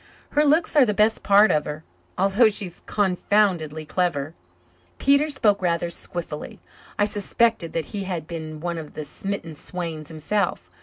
Her looks are the best part of her, although she's confoundedly clever." Peter spoke rather squiffily. I suspected that he had been one of the smitten swains himself.